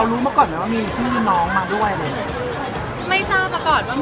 ไม่ทราบมาก่อนว่ามีชื่อน้องรึเปล่าแต่รู้อยู่แล้วว่าถ้ามีการรวมนางนาม